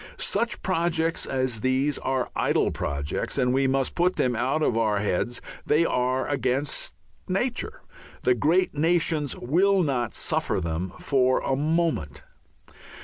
Such projects as these are idle projects and we must put them out of our heads; they are against nature; the great nations will not suffer them for a moment.